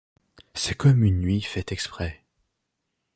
C’est comme une nuit faite exprès.